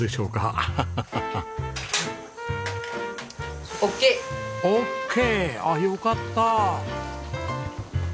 ああよかった。